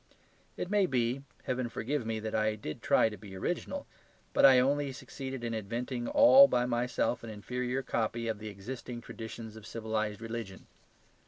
It may be, Heaven forgive me, that I did try to be original; but I only succeeded in inventing all by myself an inferior copy of the existing traditions of civilized religion.